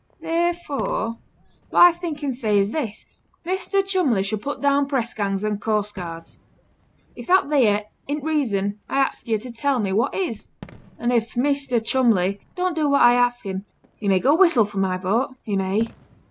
Theerefore, what I think and say is this: Measter Cholmley should put down press gangs and coast guards. If that theere isn't reason I ax yo' to tell me what is? an' if Measter Cholmley don't do what I ax him, he may go whistle for my vote, he may.'